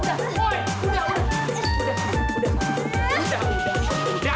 udah udah udah udah udah